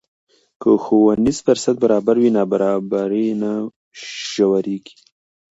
که ښوونیز فرصت برابر وي، نابرابري نه ژورېږي.